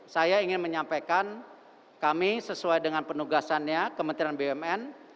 saya ingin menyampaikan kami sesuai dengan penugasannya kementerian bumn